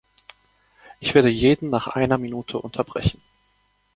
Ich werde jeden nach einer Minute unterbrechen.